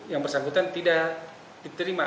yang bersangkutan tidak diterima